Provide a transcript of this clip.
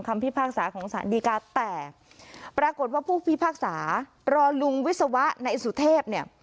พิพากษาของสารดีกาแตกปรากฏว่าผู้พิพากษารอลุงวิศวะนายสุเทพเนี่ย